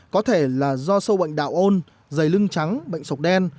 có thể là do sâu bệnh đạo ôn dày lưng trắng bệnh sọc đen